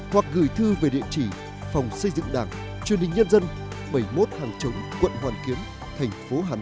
hoặc gửi thư về địa chỉ phòng xây dựng đảng truyền hình nhân dân bảy mươi một hàng chống quận hoàn kiếm thành phố hà nội